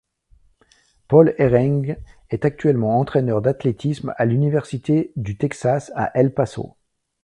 Paul Ereng est actuellement entraineur d'athlétisme à l'Université du Texas à El Paso.